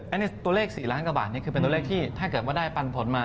อันนี้ตัวเลข๔ล้านกว่าบาทนี่คือเป็นตัวเลขที่ถ้าเกิดว่าได้ปันผลมา